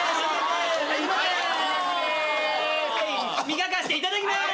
磨かせていただきます！